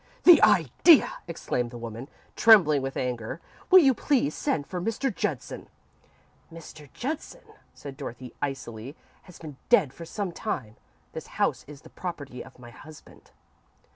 "The idea!" exclaimed the woman, trembling with anger. "Will you please send for Mr. Judson?" "Mr. Judson," said Dorothy, icily, "has been dead for some time. This house is the property of my husband."